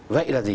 vậy là gì